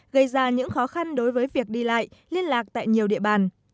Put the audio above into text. gây ra những khó khăn đối với việc đi lại liên lạc tại nhiều địa bàn